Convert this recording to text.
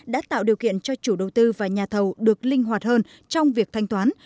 đã tạo điều kiện cho chủ đầu tư và nhà thầu được linh hoạt hơn trong việc thanh toán